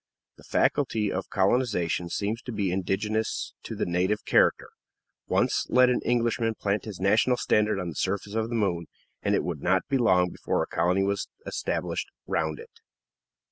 The faculty of colonization seems to be indigenous to the native character; once let an Englishman plant his national standard on the surface of the moon, and it would not be long before a colony was established round it.